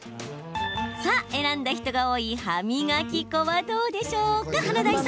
さあ、選んだ人が多い歯磨き粉はどうでしょう？